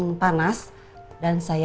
tidak ada disana